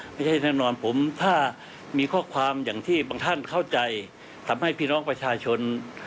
แน่นอนผมถ้ามีข้อความอย่างที่บางท่านเข้าใจทำให้พี่น้องประชาชน